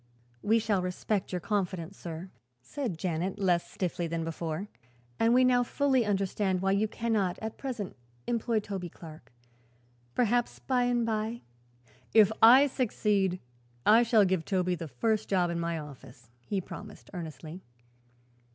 "We shall respect your confidence, sir," said Janet, less stiffly than before, "and we now fully understand why you cannot, at present, employ Toby Clark. Perhaps, by and by " "If I succeed, I shall give Toby the first job in my office," he promised earnestly.